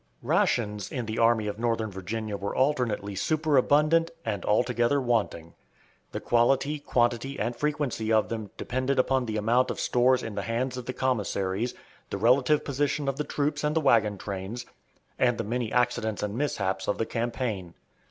Rations in the Army of Northern Virginia were alternately superabundant and altogether wanting. The quality, quantity, and frequency of them depended upon the amount of stores in the hands of the commissaries, the relative position of the troops and the wagon trains, and the many accidents and mishaps of the campaign.